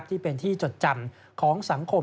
ที่เป็นที่จดจำของสังคม